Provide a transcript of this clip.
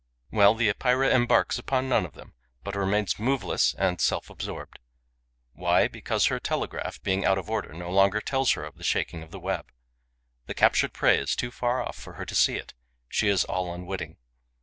Well, the Epeira embarks upon none of them, but remains moveless and self absorbed. Why? Because her telegraph, being out of order, no longer tells her of the shaking of the web. The captured prey is too far off for her to see it; she is all unwitting.